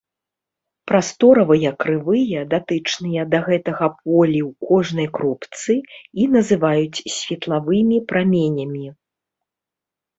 Прасторавыя крывыя, датычныя да гэтага полі ў кожнай кропцы, і называюць светлавымі праменямі.